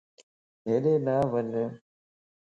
ھيڏي نھ وڃ